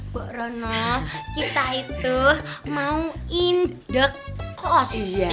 mbak rono kita itu mau indek kos ya